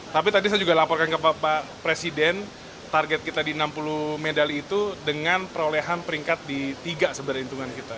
tapi tadi saya juga laporkan ke bapak presiden target kita di enam puluh medali itu dengan perolehan peringkat di tiga sebenarnya hitungan kita